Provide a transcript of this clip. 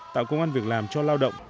tạo công an việc làm cho lao động